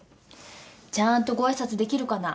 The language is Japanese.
ちゃんとごあいさつできるかな？